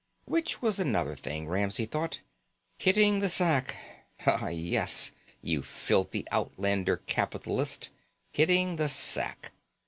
Which was another thing, Ramsey thought. Hitting the sack. Ah yes, you filthy outworlder capitalist, hitting the sack.